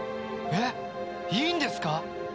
えっいいんですか！？